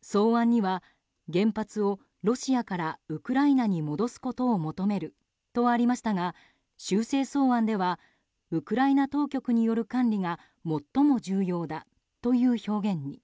草案には、原発をロシアからウクライナに戻すことを求めるとありましたが修正草案ではウクライナ当局による管理が最も重要だという表現に。